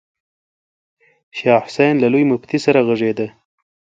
شاه حسين له لوی مفتي سره غږېده.